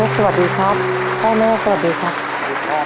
สวัสดีครับพ่อแม่สวัสดีครับ